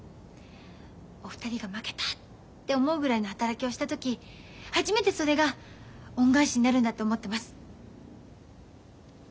お二人が負けたって思うぐらいの働きをした時初めてそれが恩返しになるんだと思ってます。